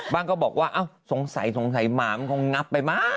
ก็บอกว่าสงสัยสงสัยหมามันคงงับไปมั้ง